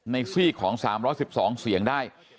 ในสิ่งของ๓๑๒เสียงได้